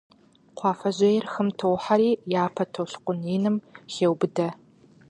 Кхъуафэжьейр хым тохьэри, япэ толъкъун иным хеубыдэ.